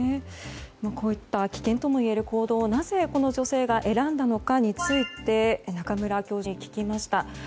こうした危険ともいえる行動をなぜこの女性が選んだのかについて中村教授に聞きました。